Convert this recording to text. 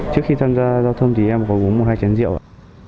trước khi tham gia giao thông thì em có uống một hai chén rượu ạ